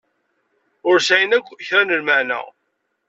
Ur sɛin akk kra n lmeɛna.